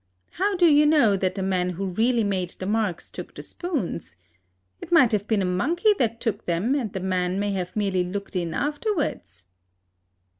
How do you know that the man who really made the marks took the spoons? It might have been a monkey that took them, and the man may have merely looked in afterwards."